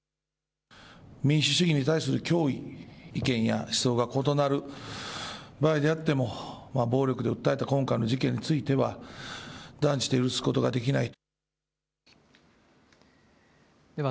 民主主義に対する脅威、意見や思想が異なる場合であっても暴力で訴えた今回の事件については断じて許すことができない。